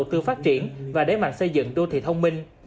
tư phát triển và đế mạng xây dựng đô thị thông minh